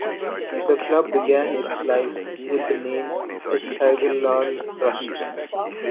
The club began its life with the name, Esteghlal Rasht.